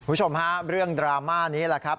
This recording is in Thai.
คุณผู้ชมฮะเรื่องดราม่านี้แหละครับ